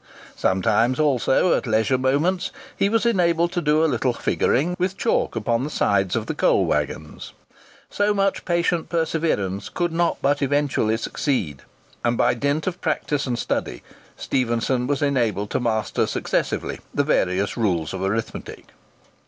Sometimes also, at leisure moments, he was enabled to do a little "figuring" with chalk upon the sides of the coal waggons. So much patient perseverance could not but eventually succeed; and by dint of practice and study, Stephenson was enabled to master successively the various rules of arithmetic.